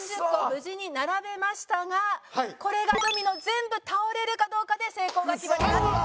無事に並べましたがこれがドミノ全部倒れるかどうかで成功が決まります。